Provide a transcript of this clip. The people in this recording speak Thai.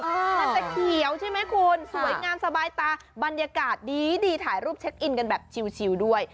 มันจะเขียวใช่ไหมคุณสวยงามสบายตาบรรยากาศดีถ่ายรูปเช็คอินกันแบบชิลด้วย